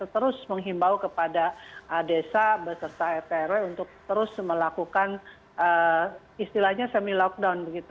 terus menghimbau kepada desa beserta rt dan rw untuk terus melakukan istilahnya semi lockdown